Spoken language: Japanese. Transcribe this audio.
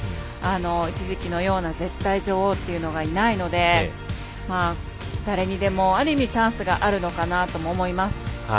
一時期のような絶対女王というのがいないので誰にでもある意味チャンスがあるのかなと思います。